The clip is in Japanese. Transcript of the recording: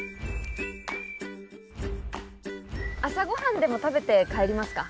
朝ご飯でも食べて帰りますか。